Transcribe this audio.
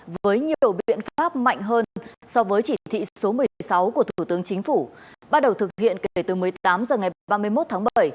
với nhiều biện pháp mạnh hơn so với chỉ thị số một mươi sáu của thủ tướng chính phủ bắt đầu thực hiện kể từ một mươi tám h ngày ba mươi một tháng bảy